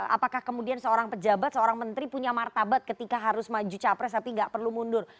apakah kemudian seorang pejabat seorang menteri punya martabat ketika harus maju capres tapi nggak perlu mundur